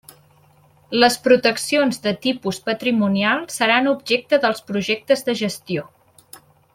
Les proteccions de tipus patrimonial seran objecte dels projectes de gestió.